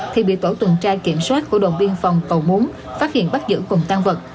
thì bị tổ tuần tra kiểm soát của đội biên phòng cầu múng phát hiện bắt giữ cùng tăng vật